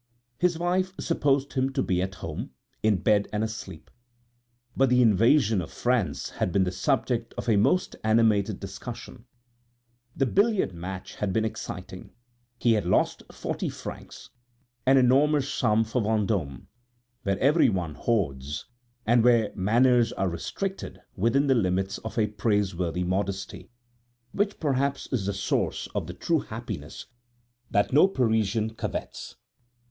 His wife supposed him to be at home, in bed and asleep. But the invasion of France had been the subject of a most animated discussion; the billiard match had been exciting, he had lost forty francs, an enormous sum for Vendôme, where every one hoards, and where manners are restricted within the limits of a praiseworthy modesty, which perhaps is the source of the true happiness that no Parisian covets.